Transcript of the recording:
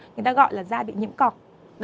người ta gọi là da bị nhiễm cọc